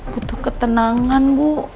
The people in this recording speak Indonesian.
butuh ketenangan bu